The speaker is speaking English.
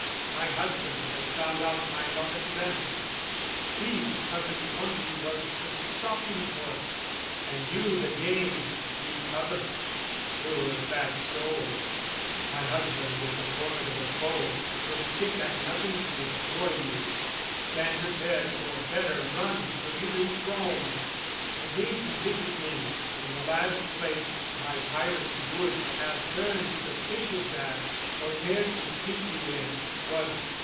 "My husband has found out my love at length, "Sees cousin Conti was the stalking horse, "And you the game he covered, poor fat soul! "My husband is a formidable foe, "Will stick at nothing to destroy you. Stand "Prepared, or better, run till you reach Rome! "I bade you visit me, when the last place "My tyrant would have turned suspicious at, "Or cared to seek you in, was...